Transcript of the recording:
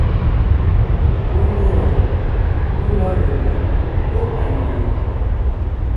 ɨniroi ɨnorede, jɨtañeno